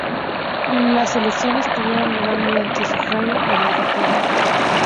Las elecciones tuvieron lugar mediante sufragio obligatorio.